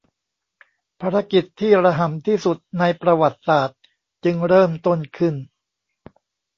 ภารกิจที่ระห่ำที่สุดในประวัติศาสตร์จึงเริ่มต้นขึ้น